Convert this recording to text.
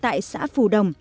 tại xã phù đồng